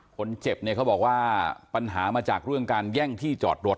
คนเจ็บเนี่ยเขาบอกว่าปัญหามาจากเรื่องการแย่งที่จอดรถ